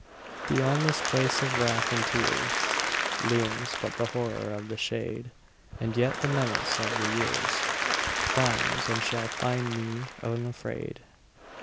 Beyond this place of wrath and tears Looms but the Horror of the shade, And yet the menace of the years Finds, and shall find, me unafraid.